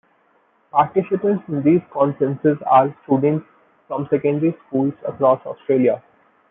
Participants in these conferences are students from secondary schools across Australia.